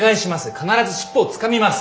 必ず尻尾をつかみます。